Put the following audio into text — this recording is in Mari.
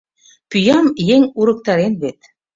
Пӱям еҥ урыктарен вет!